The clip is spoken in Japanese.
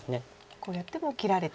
こうやっても切られて。